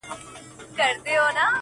• زما امام دی ,